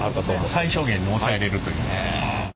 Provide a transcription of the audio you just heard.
最小限に抑えれるというね。